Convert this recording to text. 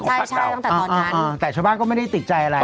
ของข้างใกล้สำนานแต่ชาวบ้างก็ไม่ได้ติดใจอะไร